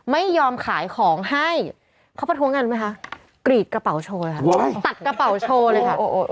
ไม่ยอมขายของให้เขาประท้วงกันไหมคะกรีดกระเป๋าโชว์เลยค่ะตัดกระเป๋าโชว์เลยค่ะ